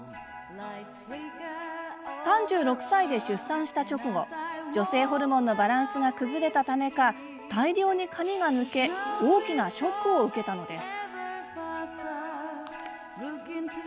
３６歳で出産した直後女性ホルモンのバランスが崩れたためか、大量に髪が抜け大きなショックを受けたのです。